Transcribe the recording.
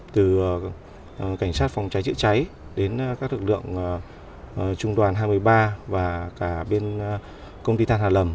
từ cảnh sát phòng cháy chợi cháy đến các lực lượng trung đoàn hai mươi ba và công ty tàn hà lầm